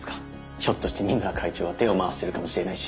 ひょっとして三村会長が手を回してるかもしれないし。